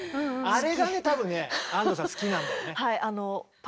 あれがね多分ね安藤さん好きなんだろうね。